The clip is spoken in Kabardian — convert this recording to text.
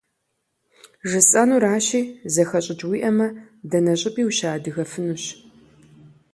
ЖысӀэнуращи, зэхэщӀыкӀ уиӀэмэ, дэнэ щӀыпӀи ущыадыгэфынущ.